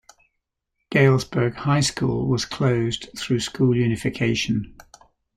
Galesburg High School was closed through school unification.